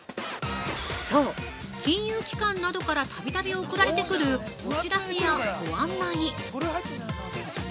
◆そう、金融機関などからたびたび送られてくるお知らせやご案内。